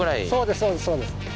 そうですそうです。